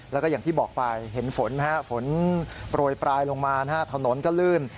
แล้วก็อย่างที่บอกไปเห็นฝนไหมฮะฝนโปรยปลายลงมานะฮะถนนก็ลื่น